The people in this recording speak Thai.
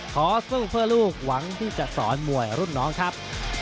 ขอสู้เพื่อลูกหวังที่จะสอนมวยรุ่นน้องครับ